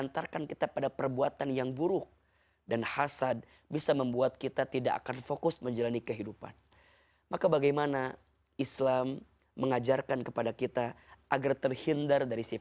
terima kasih ustadz